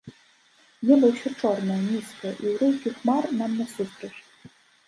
Неба ўсё чорнае, нізкае, і ўрыўкі хмар нам насустрач.